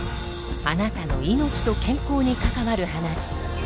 あなたの命と健康に関わる話。